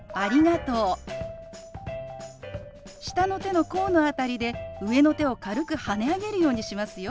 下の手の甲の辺りで上の手を軽くはね上げるようにしますよ。